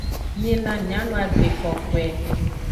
Mina miano agbe kokoe.